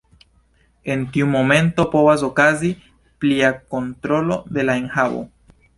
En tiu momento povas okazi plia kontrolo de la enhavo.